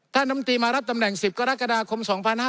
ท่านดำตีมารับตำแหน่ง๑๐ก็รักษาดาคม๒๕๖๒